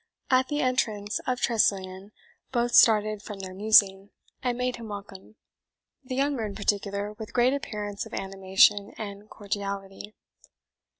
At the entrance of Tressilian both started from their musing, and made him welcome the younger, in particular, with great appearance of animation and cordiality.